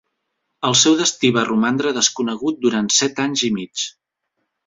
El seu destí va romandre desconegut durant set anys i mig.